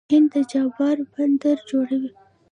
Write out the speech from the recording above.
هند د چابهار بندر جوړوي.